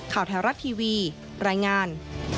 ข่าวไทยรัฐทีวีรายงาน